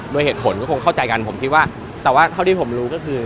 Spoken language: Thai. ด้วยเหตุผลก็คงเข้าใจกันผมคิดว่าแต่ว่าเท่าที่ผมรู้ก็คือ